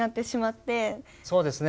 そうですね。